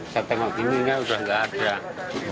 saya tengok ini kan sudah nggak ada